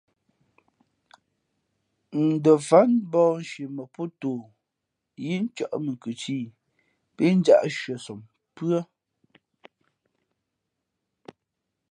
Ndα fát mbαᾱnshi mα pōtoo yí ncᾱʼ mα khʉ tî pí njāʼ shʉαsom pʉ́ά.